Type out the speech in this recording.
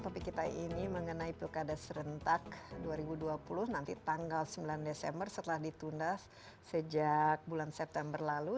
topik kita ini mengenai pilkada serentak dua ribu dua puluh nanti tanggal sembilan desember setelah ditunda sejak bulan september lalu